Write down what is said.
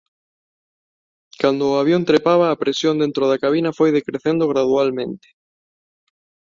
Cando o avión trepaba a presión dentro da cabina foi decrecendo gradualmente.